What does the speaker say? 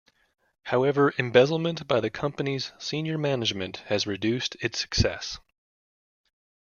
However, embezzlement by the company's senior management has reduced its success.